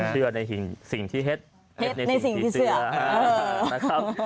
เชื่อในสิ่งที่เฮ็ดเฮ็ดในสิ่งที่เสือนะครับ